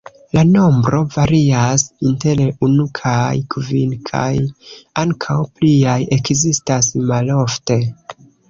La nombro varias inter unu kaj kvin kaj ankaŭ pliaj ekzistas malofte.